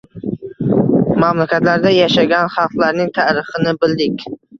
Mamlakatlarda yashagan xalqlarning tarixini bildik.